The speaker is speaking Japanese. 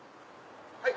はい？